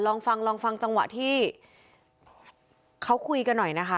ลองฟังลองฟังจังหวะที่เขาคุยกันหน่อยนะคะ